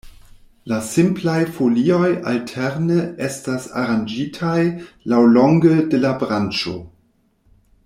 La simplaj folioj alterne estas aranĝitaj laŭlonge de la branĉo.